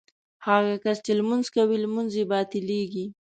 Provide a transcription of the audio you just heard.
هغه کس چې لمونځ کوي لمونځ یې باطلېږي.